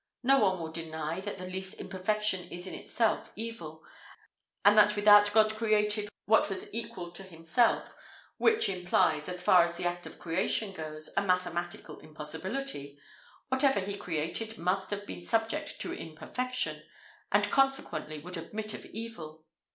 No one will deny that the least imperfection is in itself evil, and that without God created what was equal to himself which implies, as far as the act of creation goes, a mathematical impossibility whatever he created must have been subject to imperfection, and consequently would admit of evil.